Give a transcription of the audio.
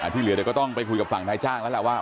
ที่เหลือเดี๋ยวก็ต้องไปคุยกับฝั่งนายจ้างแล้วแหละว่า